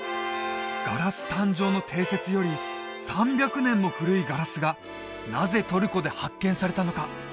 ガラス誕生の定説より３００年も古いガラスがなぜトルコで発見されたのか？